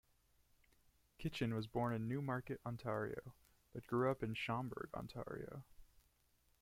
Kitchen was born in Newmarket, Ontario, but grew up in Schomberg, Ontario.